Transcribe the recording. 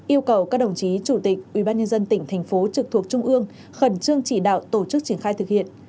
yêu cầu các đồng chí chủ tịch ubnd tỉnh thành phố trực thuộc trung ương khẩn trương chỉ đạo tổ chức triển khai thực hiện